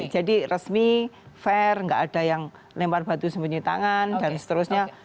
jadi resmi fair nggak ada yang lempar batu sembunyi tangan dan seterusnya